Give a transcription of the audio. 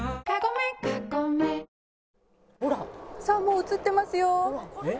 「さあもう映ってますよ」